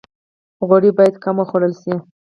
غوړي باید کم وخوړل شي